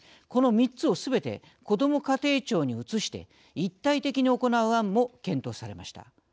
この３つをすべてこども家庭庁に移して一体的に行う案も検討されました。